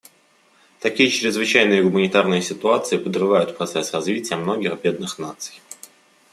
Такие чрезвычайные гуманитарные ситуации подрывают процесс развития многих бедных наций.